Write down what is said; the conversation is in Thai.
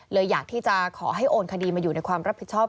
อยากที่จะขอให้โอนคดีมาอยู่ในความรับผิดชอบ